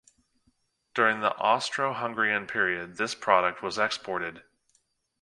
During the Austro-Hungarian period, this product was exported.